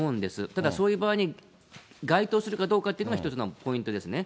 ただ、そういう場合に該当するかどうかっていうのは、一つのポイントですね。